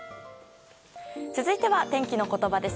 続いては、天気のことばです。